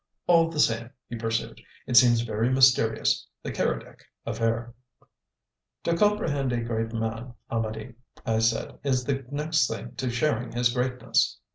"All the same," he pursued, "it seems very mysterious this Keredec affair!" "To comprehend a great man, Amedee," I said, "is the next thing to sharing his greatness."